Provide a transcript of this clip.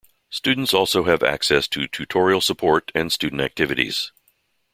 Students also have access to tutorial support and student activities.